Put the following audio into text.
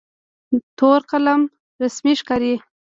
تور قلم رسمي ښکاري.